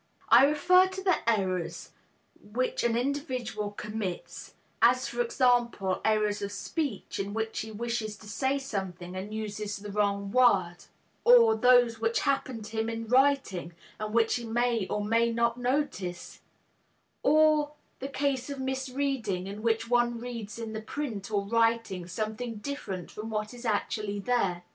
I refer to the errors which an individual commits as for example, errors of speech in which he wishes to say something and uses the wrong word; or those which happen to him in writing, and which he may or may not notice; or the case of misreading, in which one reads in the print or writing something different from what is actually there.